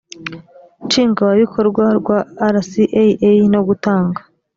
nshingwabikorwa rwa rcaa no gutanga